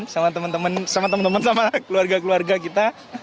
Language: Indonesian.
sama teman teman sama teman teman sama keluarga keluarga kita